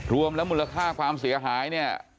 รวมแล้วมูลค่าความเสียหายเนี่ย